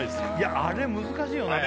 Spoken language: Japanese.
あれ難しいよねあれ